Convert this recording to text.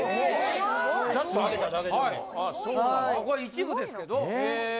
これ一部ですけど。